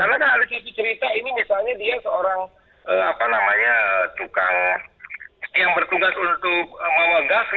karena kan ada tv cerita ini misalnya dia seorang apa namanya tukang yang bertugas untuk bawa gas